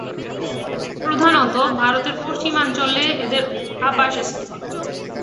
প্রধানতঃ ভারতের পশ্চিমাঞ্চলে এদের আবাসস্থল।